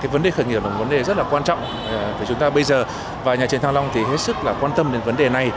vấn đề khởi nghiệp là một vấn đề rất là quan trọng cho chúng ta bây giờ và nhà trường thang long hết sức quan tâm đến vấn đề này